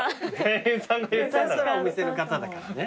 お店の方だからね。